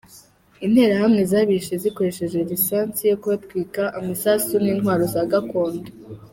Interahamwe zabishe zikoresheje lisansi yo kubatwika, amasasu n’intwaro za gakondo.